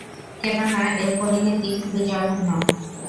কেননা, এর পরিণতি খুবই জঘন্য।